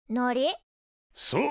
そう。